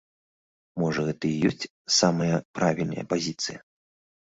Можа гэта і ёсць самая правільная пазіцыя?